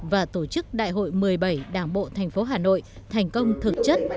và tổ chức đại hội một mươi bảy đảng bộ thành phố hà nội thành công thực chất